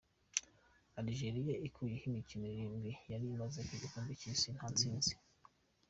Algeria ikuyeho imikino irindwi yari imaze mu gikombe cy’Isi nta ntsinzi.